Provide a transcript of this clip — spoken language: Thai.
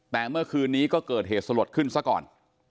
แต่เมื่อคืนนี้ก็เกิดเหตุสลดขึ้นซะก่อน